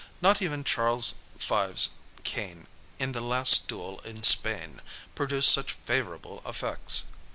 Not even Charles V's cane in the last duel in Spain produced such favorable effects.